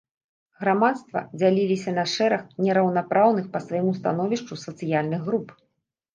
Грамадства дзяліліся на шэраг нераўнапраўных па свайму становішчу сацыяльных груп.